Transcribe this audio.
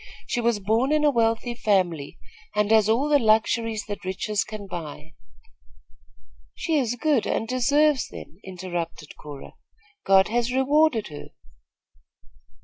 She was born in a wealthy family, and has all the luxuries that riches can buy " "She is good and deserves them," interrupted Cora. "God has rewarded her."